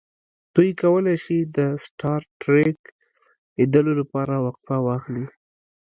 دوی کولی شي د سټار ټریک لیدلو لپاره وقفه واخلي